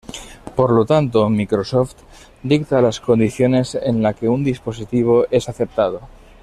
Por lo tanto, Microsoft dicta las condiciones en las que un dispositivo es aceptado.